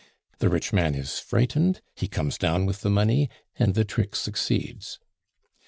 The rich man is frightened, he comes down with the money, and the trick succeeds.